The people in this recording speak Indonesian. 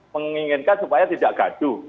menginginkan supaya tidak gaduh